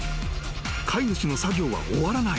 飼い主の作業は終わらない］